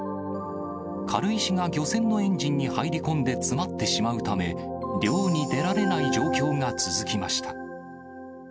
軽石が漁船のエンジンに入り込んで詰まってしまうため、漁に出られない状況が続きました。